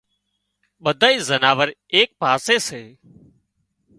ٻڌائي زناور ايڪ پاسي سي